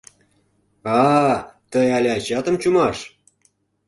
А-а, тый але ачатым чумаш!